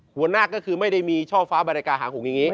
หัวหน้าก็คือไม่ได้มีช่อฟ้าบริการหาหงอย่างนี้